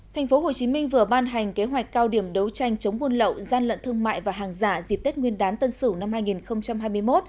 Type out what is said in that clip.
thành phố hồ chí minh vừa ban hành kế hoạch cao điểm đấu tranh chống buôn lậu gian lận thương mại và hàng giả dịp tết nguyên đán tân sửu năm hai nghìn hai mươi một